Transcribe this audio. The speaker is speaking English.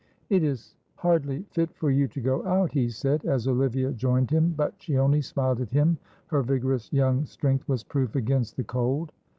"It is hardly fit for you to go out," he said, as Olivia joined him, but she only smiled at him, her vigorous young strength was proof against the cold.